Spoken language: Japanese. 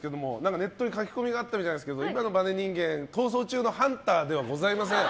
ネットに書き込みがあったみたいなんですが今のバネ人間、「逃走中」のハンターではございません。